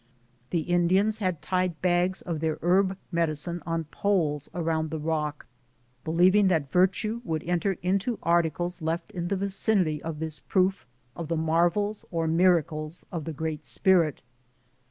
The Indians had tied bags of their herb medicine on poles about the rock, believ ing that virtue would enter into articles left in the vicinity of this proof of the marvels or miracles of the Great Spirit.